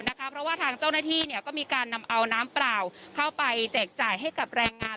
เพราะว่าทางเจ้าหน้าที่ก็มีการนำเอาน้ำเปล่าเข้าไปแจกจ่ายให้กับแรงงาน